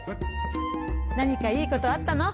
なにかいいことあったの？